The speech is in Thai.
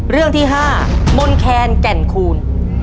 เรื่องที่๕มนแคนแก่นคูณ